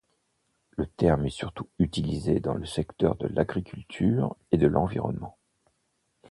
Le terme est surtout utilisé dans le secteur de l'agriculture et de l'environnement.